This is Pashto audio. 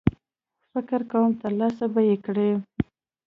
فکر کوم ترلاسه به یې کړو.